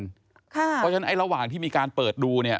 เพราะฉะนั้นไอ้ระหว่างที่มีการเปิดดูเนี่ย